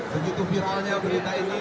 begitu viralnya berita ini